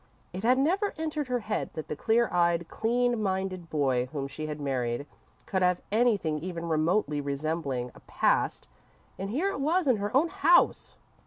It had never entered her head that the clear eyed, clean minded boy whom she had married, could have anything even remotely resembling a past, and here it was in her own house!